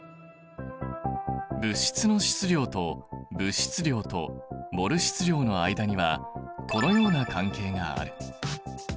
物質の質量と物質量とモル質量の間にはこのような関係がある。